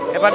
ya pak d